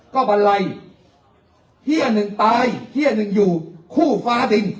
ก็บันไรเฮียหนึ่งตายเฮียหนึ่งอยู่คู่ฟ้าดิน